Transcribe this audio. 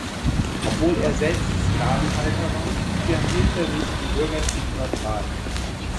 Obwohl er selbst Sklavenhalter war, verhielt er sich im Bürgerkrieg neutral.